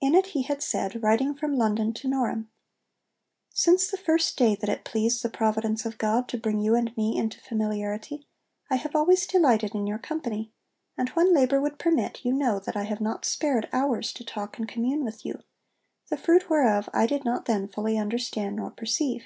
In it he had said, writing from London to Norham: 'Since the first day that it pleased the providence of God to bring you and me into familiarity, I have always delighted in your company; and when labour would permit, you know that I have not spared hours to talk and commune with you, the fruit whereof I did not then fully understand nor perceive.